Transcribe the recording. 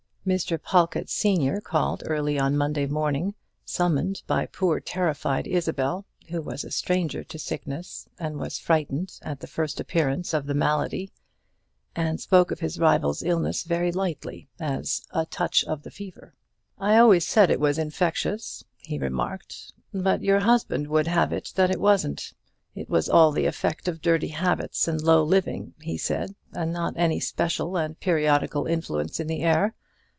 Mr. Pawlkatt senior called early on Monday morning, summoned by poor terrified Isabel, who was a stranger to sickness, and was frightened at the first appearance of the malady, and spoke of his rival's illness very lightly, as a "touch of the fever." "I always said it was infectious," he remarked; "but your husband would have it that it wasn't. It was all the effect of dirty habits, and low living, he said, and not any special and periodical influence in the air.